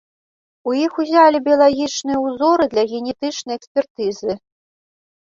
У іх узялі біялагічныя ўзоры для генетычнай экспертызы.